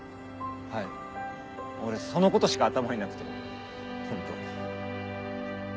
はい俺そのことしか頭になくてホント。